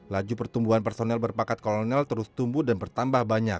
laju pertumbuhan personel berpangkat kolonel terus tumbuh dan bertambah